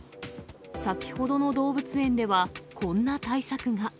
先ほどの動物園ではこんな対策が。